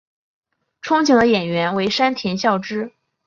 憧憬的演员为山田孝之。